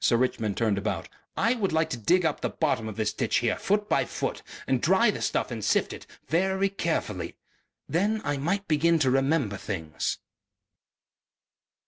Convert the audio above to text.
Sir Richmond turned about. "I would like to dig up the bottom of this ditch here foot by foot and dry the stuff and sift it very carefully.... Then I might begin to remember things."